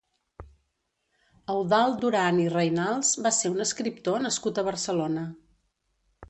Eudald Duran i Reynals va ser un escriptor nascut a Barcelona.